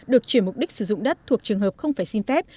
được chuyển mục đích sử dụng đất thuộc trường hợp không phải xin phép